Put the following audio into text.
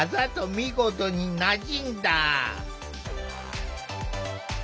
見事になじんだ。